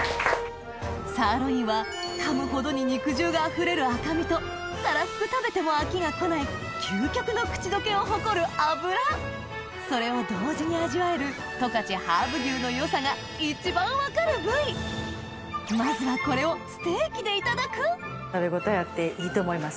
サーロインはかむほどに肉汁が溢れる赤身とたらふく食べても飽きがこない究極の口溶けを誇る脂それを同時に味わえるまずはこれをステーキでいただく食べ応えあっていいと思います